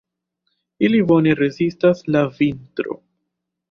Ili bone rezistas al vintro.